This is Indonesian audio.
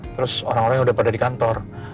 terus orang orang yang udah pada di kantor